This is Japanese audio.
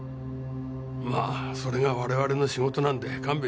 まあそれが我々の仕事なんで勘弁してください。